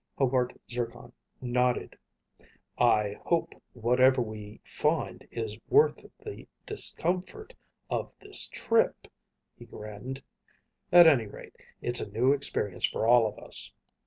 Hobart Zircon nodded. "I hope whatever we find is worth the discomfort of this trip." He grinned. "At any rate, it's a new experience for all of us."